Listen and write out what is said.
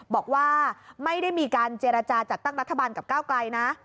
บอกว่าไม่ได้มีการเจรจาจัดตั้งรัฐบาลกับก้าวไกลนะ